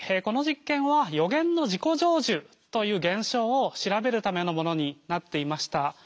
この実験は予言の自己成就という現象を調べるためのものになっていました。